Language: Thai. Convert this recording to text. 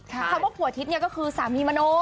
คือคือผัวทิศนี่ก็คือสามีมโน